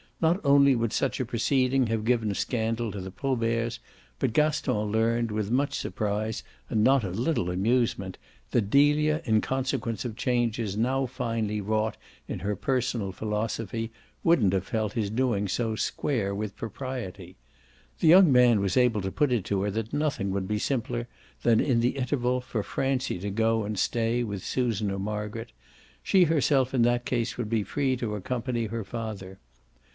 Not only would such a proceeding have given scandal to the Proberts, but Gaston learned, with much surprise and not a little amusement, that Delia, in consequence of changes now finely wrought in her personal philosophy, wouldn't have felt his doing so square with propriety. The young man was able to put it to her that nothing would be simpler than, in the interval, for Francie to go and stay with Susan or Margaret; she herself in that case would be free to accompany her father.